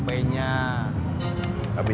abis setelah pon